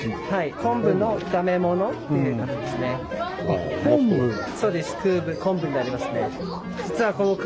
昆布の炒め物っていう食べ物ですね。